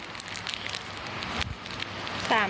อุ้ย